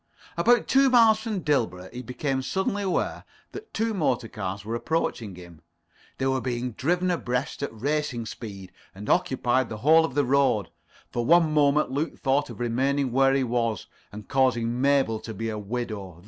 About two miles from Dilborough he became suddenly aware that two motor cars were approaching him. They were being driven abreast at racing speed, and occupied the whole of the road. For one moment Luke thought of remaining where he was, and causing Mabel to be a widow.